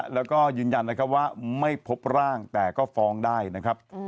แล้วก็ยืนยันนะครับว่าไม่พบร่างแต่ก็ฟ้องได้นะครับ